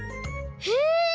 へえ！